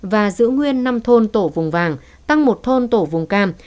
và giữ nguyên năm thôn tổ vùng vàng tăng một thôn tổ vùng cam